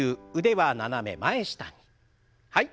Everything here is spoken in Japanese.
はい。